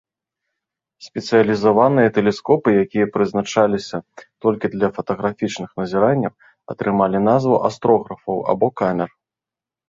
Спецыялізаваныя тэлескопы, якія прызначаліся толькі для фатаграфічных назіранняў, атрымалі назву астрографаў або камер.